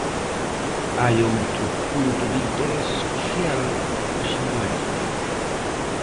Hai outro punto de interese especial hoxe na Mariña.